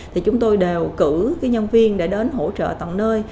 thì chúng tôi đều cử nhân viên để đến hỗ trợ tận nơi